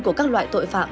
của các loại tội phạm